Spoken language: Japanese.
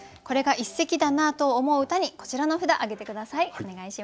これが一席だなと思う歌にこちらの札あげて下さい。